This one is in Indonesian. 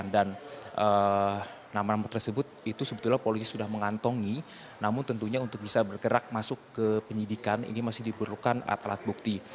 dan nama nama tersebut itu sebetulnya polisi sudah mengantongi namun tentunya untuk bisa bergerak masuk ke penyidikan ini masih diperlukan atlat bukti